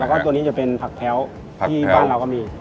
แล้วก็ตัวนี้จะเป็นผักแค้วที่บ้านเราก็มี